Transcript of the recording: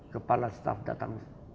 kepala staf datang